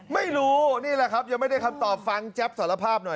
ไม่รู้นี่แหละครับยังไม่ได้คำตอบฟังแจ๊บสารภาพหน่อย